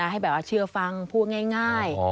ให้เชื่อฟังพูดง่าย